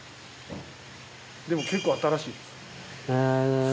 でも結構新しいです。